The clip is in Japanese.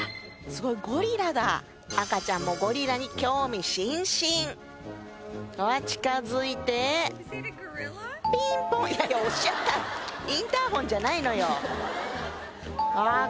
すごいゴリラだ赤ちゃんもゴリラに興味津々近づいてピンポーンいやいや押しちゃったインターホンじゃないのよあっ